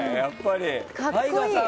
ＴＡＩＧＡさん